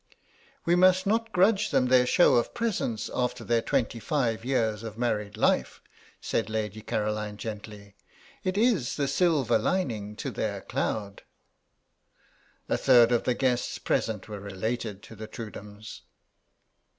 "We must not grudge them their show of presents after their twenty five years of married life," said Lady Caroline, gently; "it is the silver lining to their cloud." A third of the guests present were related to the Trudhams.